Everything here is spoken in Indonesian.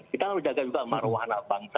kita harus jaga juga maruah anak bangsa